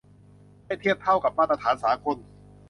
ให้เทียบเท่ากับมาตรฐานสากล